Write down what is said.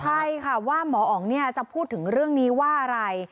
ใช่ค่ะว่าหมออ๋องจะพูดถึงเรื่องนี้ว่าอะไร